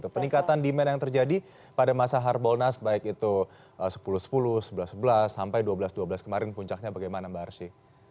peningkatan demand yang terjadi pada masa harbolnas baik itu sepuluh sepuluh sebelas sebelas sampai dua belas dua belas kemarin puncaknya bagaimana mbak arsy